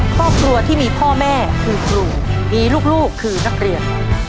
ครอบครัวที่มีพ่อแม่คือครูมีลูกคือนักเรียน